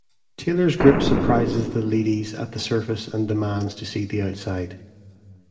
Taylor's group surprises the leadys at the surface and demands to see the outside.